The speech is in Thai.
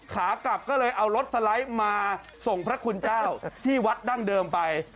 ขากลับก็เลยเอารถสไลด์มาส่งพระคุณเจ้าที่วัดดั้งเดิมไป